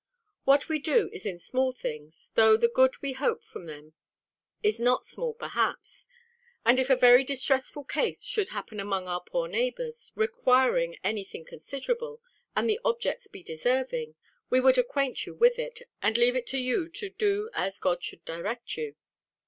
What we do is in small things, though the good we hope from them is not small perhaps: and if a very distressful case should happen among our poor neighbours, requiring any thing considerable, and the objects be deserving, we would acquaint you with it, and leave it to you to do as God should direct you.